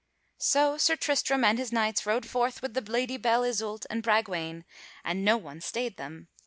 So Sir Tristram and his knights rode forth with the Lady Belle Isoult and Bragwaine and no one stayed them.